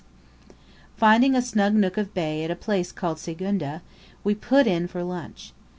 Finding a snug nook of a bay at a place called Sigunga, we put in for lunch.